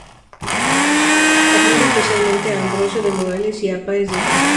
Admiró especialmente a Ambrosio de Morales y a Páez de Castro.